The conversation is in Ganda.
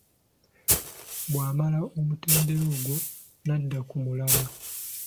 Bw’amala omutendera ogwo n’adda ku mulala